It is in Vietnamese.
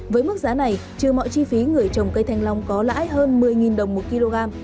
với mức giá này trừ mọi chi phí người trồng cây thanh long có lãi hơn một mươi đồng một kg